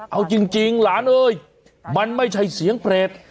เอาจริงหลานเอ้ยมันไม่ใช่เสียงเปรต